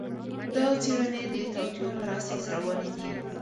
دا څېړنې د توطیو پر اساس روانې دي.